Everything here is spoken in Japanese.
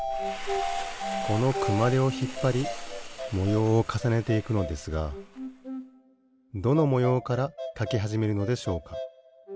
このくまでをひっぱりもようをかさねていくのですがどのもようからかきはじめるのでしょうか？